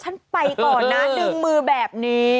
ฉันไปก่อนนะดึงมือแบบนี้